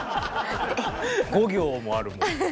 ５行もあるもんね。